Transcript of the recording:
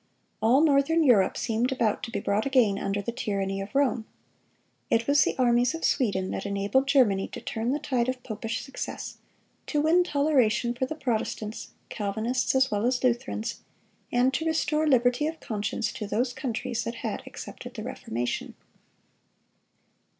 All Northern Europe seemed about to be brought again under the tyranny of Rome. It was the armies of Sweden that enabled Germany to turn the tide of popish success, to win toleration for the Protestants,—Calvinists as well as Lutherans,—and to restore liberty of conscience to those countries that had accepted the Reformation.